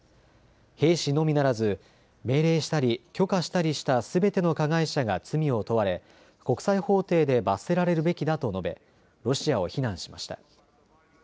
兵士のみならず命令したり、許可したりしたすべての加害者が罪を問われ国際法廷で罰せられるべきだと述べ、ロシアを非難しました。